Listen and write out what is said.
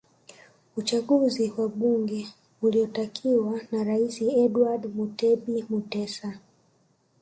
Uchunguzi wa bunge uliotakiwa na Rais Edward Mutebi Mutesa